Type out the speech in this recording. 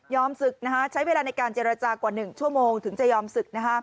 ศึกใช้เวลาในการเจรจากว่า๑ชั่วโมงถึงจะยอมศึก